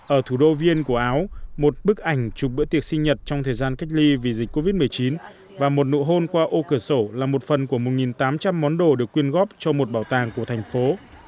ở thủ đô viên của áo một bức ảnh chụp bữa tiệc sinh nhật trong thời gian cách ly vì dịch covid một mươi chín và một nụ hôn qua ô cửa sổ là một phần của một tám trăm linh món đồ được quyên góp cho một bảo tàng của thành phố